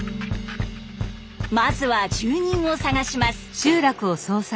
まずは住人を捜します。